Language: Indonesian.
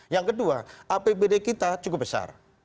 yang kedua apbd kita cukup besar